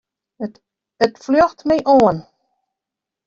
It fljocht my oan.